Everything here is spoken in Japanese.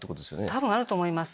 多分あると思います。